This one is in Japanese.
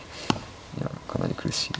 いやかなり苦しい。